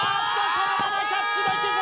このままキャッチできず！